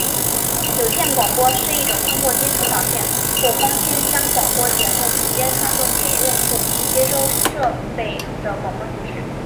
有线广播是一种通过金属导线或光纤将广播节目直接传送给用户接收设备的广播形式。